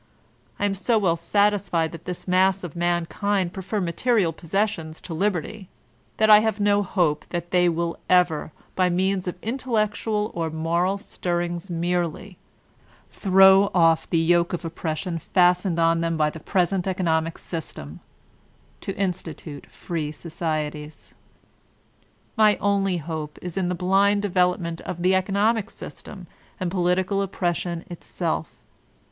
I am so well satisfied that the mass of mankind prefer material possessions to lib erty, that I have no hope that they will ever, by means of intellectual or moral stirrings merely, throw off the yoke of oppression fastened on them by the present economic system, to institute free societies. My only hope is in the blind development of the economic system and political oppre ss ion itself.